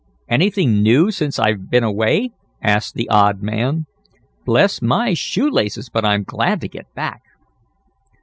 "Anything new since I've been away?" asked the odd man. "Bless my shoe laces, but I'm glad to get back!"